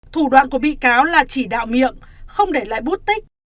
thủ đoạn của bị cáo là chỉ đạo miệng không để lại bút tích